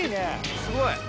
すごい。